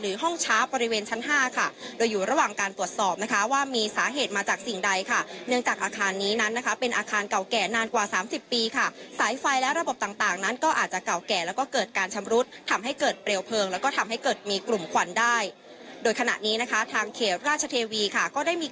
หรือห้องช้าบริเวณชั้นห้าค่ะโดยอยู่ระหว่างการตรวจสอบนะคะว่ามีสาเหตุมาจากสิ่งใดค่ะเนื่องจากอาคารนี้นั้นนะคะเป็นอาคารเก่าแก่นานกว่าสามสิบปีค่ะสายไฟและระบบต่างต่างนั้นก็อาจจะเก่าแก่แล้วก็เกิดการชำรุดทำให้เกิดเปลวเพลิงแล้วก็ทำให้เกิดมีกลุ่มควันได้โดยขณะนี้นะคะทางเขตราชเทวีค่ะก็ได้มีก